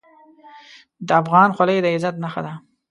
د افغان خولۍ د عزت نښه ده.